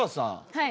はい。